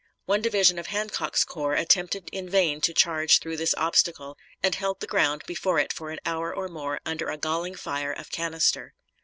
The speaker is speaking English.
One division of Hancock's corps attempted in vain to charge through this obstacle, and held the ground before it for an hour or more under a galling fire of canister.